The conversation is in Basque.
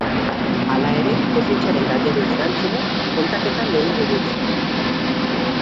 Hala ere, defentsaren galderei erantzunez kontaketa leundu dute.